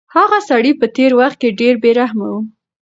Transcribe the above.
هغه سړی په تېر وخت کې ډېر بې رحمه و.